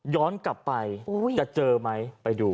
ย้อนกลับไปจะเจอไหมไปดู